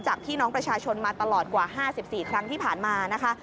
พี่น้องประชาชนมาตลอดกว่า๕๔ครั้งที่ผ่านมานะคะ